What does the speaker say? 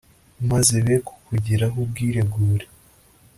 maze bekukugiraho ubwiregure